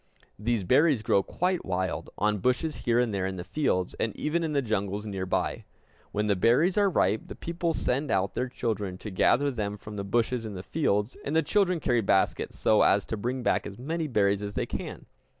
These berries grow quite wild, on bushes here and there in the fields, and even in the jungles near by. When the berries are ripe, the people send out their children to gather them from the bushes in the fields; and the children carry baskets so as to bring back as many berries as they can.